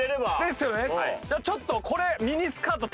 じゃあちょっとこれ。